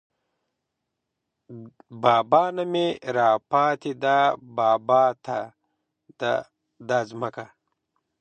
بابا نه مې راپاتې ده بابا ته ده دا ځمکه